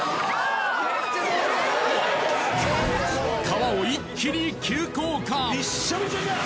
川を一気に急降下キャー！